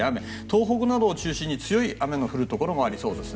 東北などを中心に強い雨の降るところもありそうです。